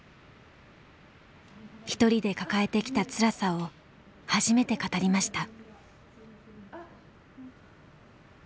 一人で抱えてきたつらさを初めて語りました。